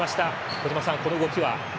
小島さん、この動きは？